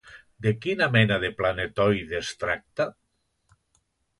De quina mena de planetoide es tracta?